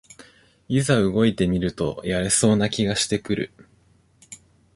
いざ動いてみるとやれそうな気がしてくる